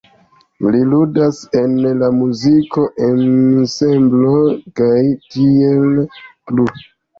Li ludas en la muzik-ensemblo Kaj Tiel Plu.